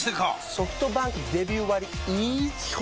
ソフトバンクデビュー割イズ基本